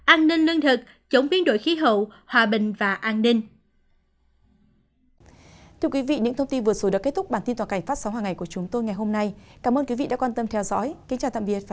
an ninh lương thực chống biên đổi khí hậu hòa bình và an ninh